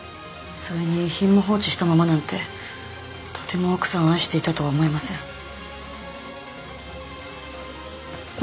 それに遺品も放置したままなんてとても奥さんを愛していたとは思えません。